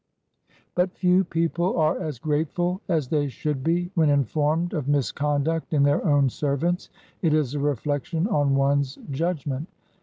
But few people are as grateful as they should be when informed of misconduct in their own servants. It is a reflection on one's judgment.